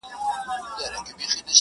شهيد زما دی، د وېرژلو شيون زما دی؛